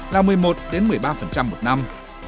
là một mươi một một mươi ba một năm